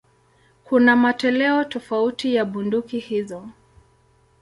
Kuna matoleo tofauti ya bunduki hizo.